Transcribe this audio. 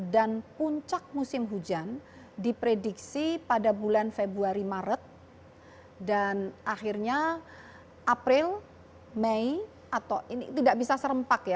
dan puncak musim hujan diprediksi pada bulan februari maret dan akhirnya april may atau ini tidak bisa serempak ya